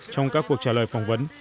trong các cuộc trả lời phỏng vấn